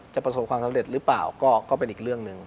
ประสบความสำเร็จหรือเปล่าก็เป็นอีกเรื่องหนึ่ง